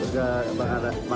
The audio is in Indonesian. orang sudah enjoy gitu ya